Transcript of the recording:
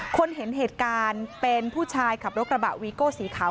คนเห็นเหตุการณ์เป็นผู้ชายขับรถกระบะวีโก้สีขาว